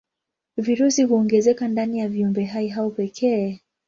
Virusi huongezeka ndani ya viumbehai hao pekee.